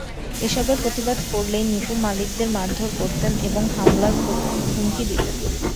এসবের প্রতিবাদ করলেই নিপু মালিকদের মারধর করতেন এবং মামলার হুমকি দিতেন।